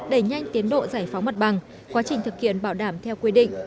đẩy nhanh tiến độ giải phóng mặt bằng quá trình thực hiện bảo đảm theo quy định